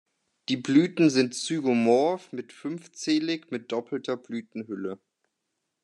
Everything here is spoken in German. Die Blüten sind zygomorph mit fünfzählig mit doppelter Blütenhülle.